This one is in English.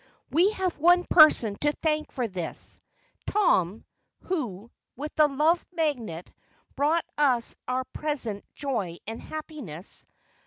"We have one person to thank for this Tom, who, with the Love Magnet, brought us our present joy and happiness.